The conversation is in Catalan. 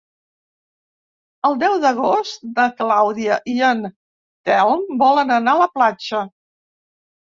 El deu d'agost na Clàudia i en Telm volen anar a la platja.